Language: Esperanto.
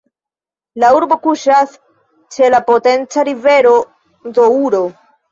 La urbo kuŝas ĉe la potenca rivero Douro.